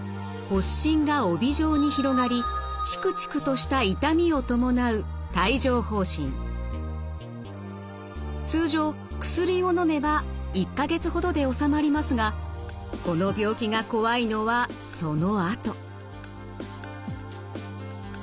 発疹が帯状に広がりチクチクとした痛みを伴う通常薬をのめば１か月ほどで治まりますがこの病気が怖いのはそのあと。